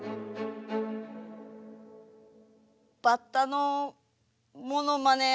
バッタのものまねを。